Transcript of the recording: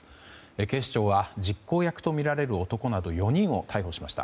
警視庁は実行役とみられる男など４人を逮捕しました。